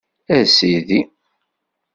A Sidi!